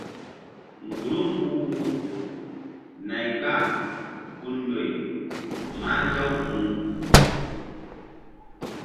Mgburum hu-hu nay kpahgun ndoy mah nzaw mu.